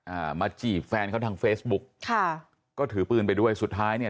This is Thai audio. อ่ามาจีบแฟนเขาทางเฟซบุ๊กค่ะก็ถือปืนไปด้วยสุดท้ายเนี่ย